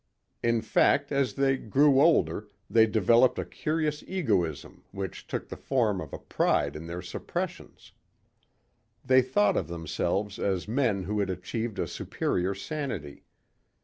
In fact as they grew older they developed a curious egoism which took the form of a pride in their suppressions. They thought of themselves as men who had achieved a superior sanity.